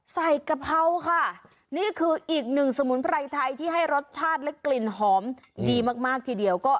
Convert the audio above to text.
กะเพราค่ะนี่คืออีกหนึ่งสมุนไพรไทยที่ให้รสชาติและกลิ่นหอมดีมากทีเดียว